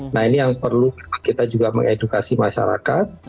nah ini yang perlu kita juga mengedukasi masyarakat